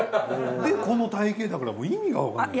でこの体型だから意味がわからない。